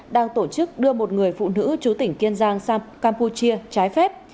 đang tổ chức đưa một người phụ nữ chú tỉnh kiên giang sang campuchia trái phép